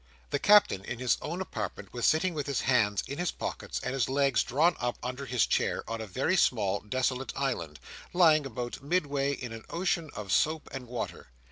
The Captain in his own apartment was sitting with his hands in his pockets and his legs drawn up under his chair, on a very small desolate island, lying about midway in an ocean of soap and water.